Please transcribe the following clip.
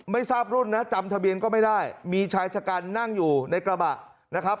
ไม่ทราบรุ่นนะจำทะเบียนก็ไม่ได้มีชายชะกันนั่งอยู่ในกระบะนะครับ